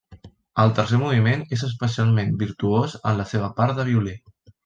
El tercer moviment és especialment virtuós en la seva part de violí.